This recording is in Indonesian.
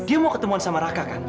dia mau ketemuan sama raka kan